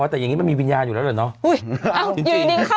แต่อย่างนี้มันมีวิญญาณอยู่แล้วเหรอเนาะ